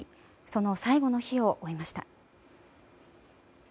その最後の日を追いました。